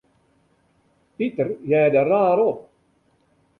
Piter hearde raar op.